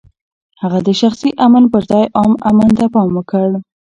هغه د شخصي امن پر ځای عام امن ته پام وکړ.